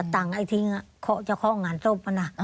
ตังค์ไอ้ทิ้งจะเข้างานศพมัน